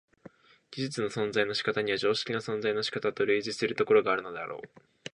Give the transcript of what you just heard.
技術の存在の仕方には常識の存在の仕方と類似するところがあるであろう。